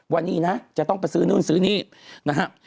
วันนี้นะจะต้องไปซื้อนู่นซื้อนี่นะฮะ